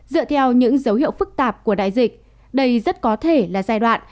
dựa theo những dấu hiệu phức tạp của đại dịch đây rất có thể là giai đoạn